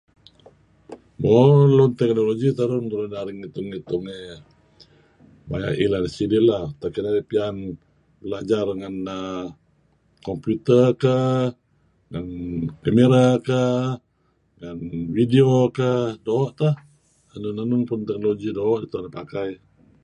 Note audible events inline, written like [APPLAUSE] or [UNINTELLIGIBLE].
Mo [UNINTELLIGIBLE] technology terun narih ngitun-ngitun eh maya' ileh sidih lah, utak ideh piyan belajar ngen computer kah, ngen camera kah, ngan video kah, doo' teh, enun-enun peh technology doo' kereb teh tue'n pakai.